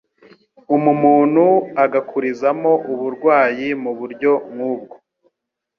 umumuntu agakurizamo uburwayi mu buryo nk ubwo